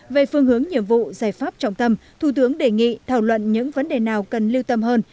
về phương hướng nhiệm vụ giải pháp trọng tâm thủ tướng đề nghị thảo luận những vấn đề nào cần lưu tâm hơn